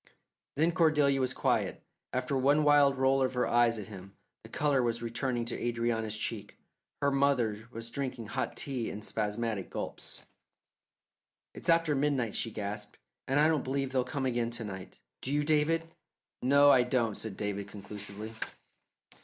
Then Cordelia was quiet, after one wild roll of her eyes at him. The colour was returning to Adrianna's cheeks; her mother was drinking hot tea in spasmodic gulps. "It's after midnight," she gasped, "and I don't believe they'll come again to night. Do you, David?" "No, I don't," said David conclusively.